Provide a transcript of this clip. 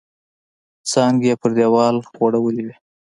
څانګې یې پر دیوال غوړولي وې.